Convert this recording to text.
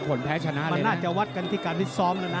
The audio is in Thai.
คนแพ้ชนะเลยนะมันวัดกันที่การพิซอมนะนะ